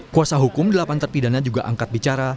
kuasa hukum delapan terpidana juga angkat bicara